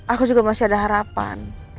aku juga masih ada harapan